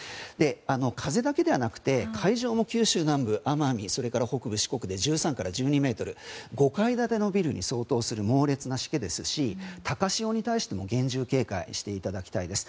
風だけではなくて海上も九州南部奄美、それから北部四国で１３から１２メートル５階建てのビルに相当するしけですし高潮に対しても厳重警戒していただきたいです。